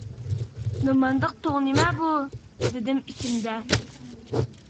«نېمانداق توڭ نېمە بۇ» دېدىم ئىچىمدە.